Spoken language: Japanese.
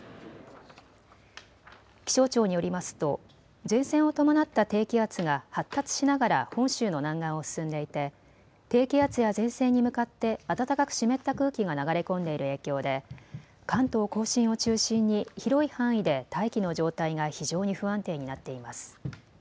気象庁によりますと前線を伴った低気圧が発達しながら本州の南岸を進んでいて低気圧や前線に向かって暖かく湿った空気が流れ込んでいる影響で関東甲信を中心に広い範囲で大気の状態が非常に不安定になっています。